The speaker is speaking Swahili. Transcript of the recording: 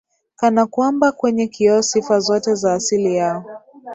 kana kwamba kwenye kioo sifa zote za asili yao